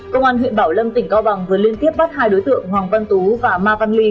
công an huyện bảo lâm tỉnh cao bằng vừa liên tiếp bắt hai đối tượng hoàng văn tú và ma văn ly